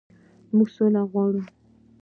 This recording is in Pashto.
موږ سوله غواړو.